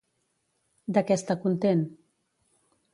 De què està content?